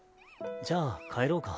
じゃあ帰ろうか。